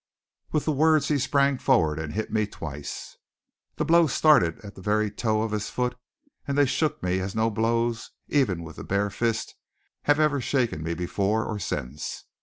With the words he sprang forward and hit me twice. The blows started at the very toe of his foot; and they shook me as no blows, even with the bare fist, have ever shaken me before or since.